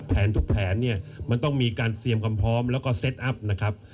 แผนทุกแผนเนี่ยมันต้องมีการเตรียมความพร้อมแล้วก็เซตอัพนะครับ